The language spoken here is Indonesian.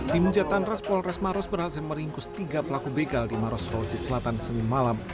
tim jatan ras polres maros berhasil meringkus tiga pelaku begal di maros sulawesi selatan senin malam